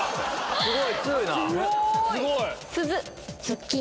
すごい！